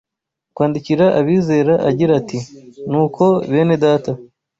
kwandikira abizera agira ati, “Nuko bene Data